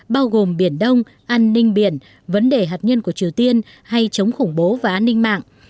bao gồm biển đông an ninh biển vấn đề hạt nhân của triều tiên hay chống khủng bố và an ninh mạng